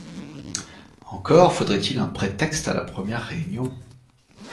Encore faudrait-il un prétexte à la première réunion.